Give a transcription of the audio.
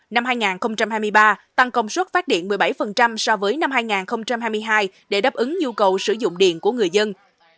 năm hai nghìn hai mươi ba tăng công suất phát điện một mươi bảy so với năm hai nghìn hai mươi hai để đáp ứng nhu cầu sử dụng điện của người dân